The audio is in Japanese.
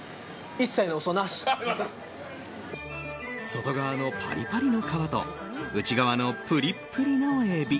外側のパリパリの皮と内側のプリップリのエビ。